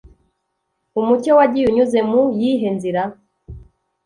umucyo wagiye unyuze mu yihe nzira’